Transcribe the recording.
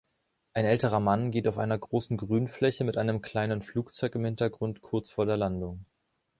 Ein älterer Mann geht auf einer großen Grünfläche mit einem kleinen Flugzeug im Hintergrund kurz vor der Landung